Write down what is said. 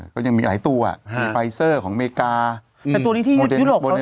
ก็ยังมีหลายตัว่าไฟเซอร์ของอเมริกาโมเดน่าม่าน่า